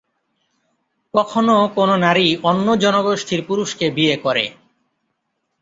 কখনো কোনো নারী অন্য জনগোষ্ঠীর পুরুষকে বিয়ে করে।